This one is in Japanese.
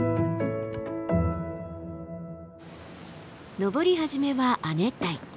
登り始めは亜熱帯。